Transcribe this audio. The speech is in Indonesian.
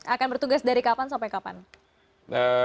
akan bertugas dari kapan sampai kapan